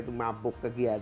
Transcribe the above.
itu mabuk kegiatan itu